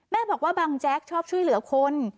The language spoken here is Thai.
แม่บอกว่าบังแจ๊กชอบช่วยเหลือคน